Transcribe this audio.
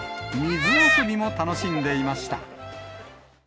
水遊びも楽しんでいました。